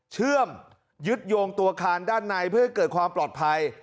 เชื่อมยึดโยงตัวอาคารด้านในเพื่อให้เกิดความปลอดภัย